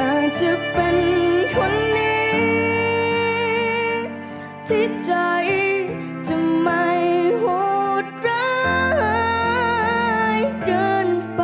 อาจจะเป็นคนนี้ที่ใจจะไม่โหดร้ายเกินไป